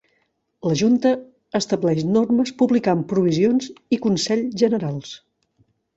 La Junta estableix normes publicant provisions i consells generals.